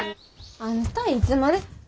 あんたいつまで。